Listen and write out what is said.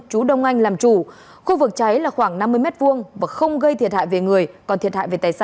chú đông anh làm chủ khu vực cháy là khoảng năm mươi m hai và không gây thiệt hại về người